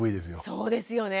そうですよね。